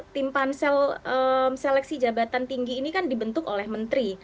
tim pansel seleksi jabatan tinggi ini kan dibentuk oleh menteri